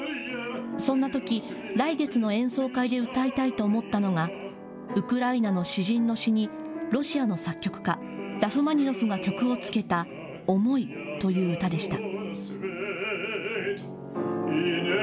そんなとき、来月の演奏会で歌いたいと思ったのがウクライナの詩人の詩にロシアの作曲家、ラフマニノフが曲をつけた思いという歌でした。